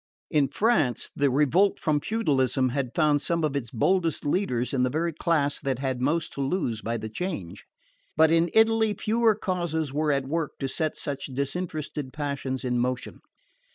In France, the revolt from feudalism had found some of its boldest leaders in the very class that had most to lose by the change; but in Italy fewer causes were at work to set such disinterested passions in motion.